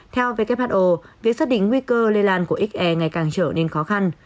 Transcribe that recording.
theo who việc xác định nguy cơ lây lan của xr ngày càng trở nên khó khăn